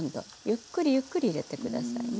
ゆっくりゆっくり入れてください。